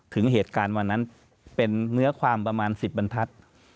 ถึงเหตุการณ์วันนั้นเป็นเนื้อความประมาณ๑๐บรรทัศน์